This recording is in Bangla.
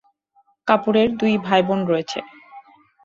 কাপুরের দুই ভাইবোন রয়েছে।